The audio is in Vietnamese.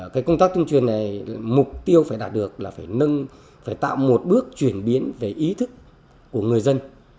cái công tác tuyên truyền này mục tiêu phải đạt được là phải tạo một bước chuyển biến về ý thức của người dân